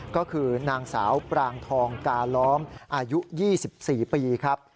ก็คือนางสาวปรางทองกาล้อมอายุ๒๔ปีครับ